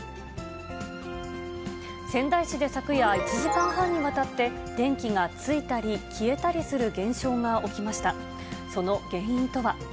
仙台市で昨夜、１時間半にわたって、電気がついたり消えたりする現象が起きました。